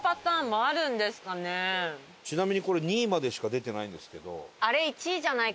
ちなみにこれ２位までしか出てないんですけど。